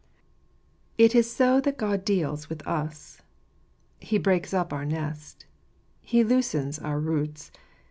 It is so that God deals with us. He breaks up our nest. He loosens our roots.